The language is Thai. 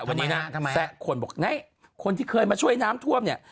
ทำไมฮะทำไมฮะแสะคนบอกไงคนที่เคยมาช่วยน้ำท่วมเนี้ย